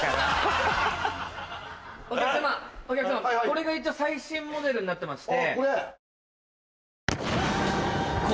お客様これが一応最新モデルになってまして。